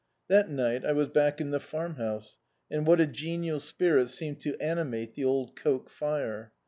That night I was back in the Farmhouse; and what a genial spirit seemed to animate the old coke lire!